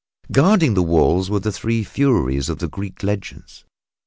Guarding the walls were the three Furies of the Greek legends.